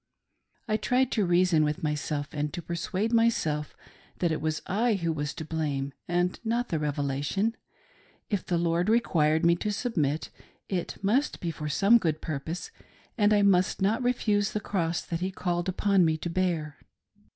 I tried to reason with myself and to persuade myself that it was I who was to blame and not the Revelation. If the Ii, ord required me to submit, it must be for some good pur pose, and I must not refuse the cross that He called upon me to bear.